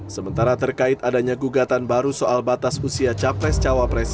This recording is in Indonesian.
sementara terkait adanya gugatan baru soal batas usia capres cawapres